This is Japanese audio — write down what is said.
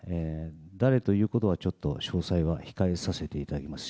誰ということはちょっと詳細は控えさせていただきます。